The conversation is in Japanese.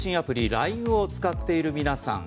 ＬＩＮＥを使っている皆さん。